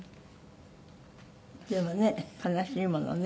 でもね悲しいものね。